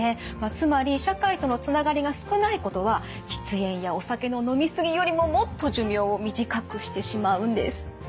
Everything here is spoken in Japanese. つまり社会とのつながりが少ないことは喫煙やお酒の飲み過ぎよりももっと寿命を短くしてしまうんです。